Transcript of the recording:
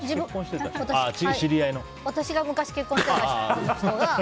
私が昔、結婚してた人。